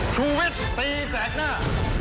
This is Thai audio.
ชูวิทย์ตีแสกหน้า